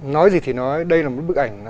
nói gì thì nói đây là một bức ảnh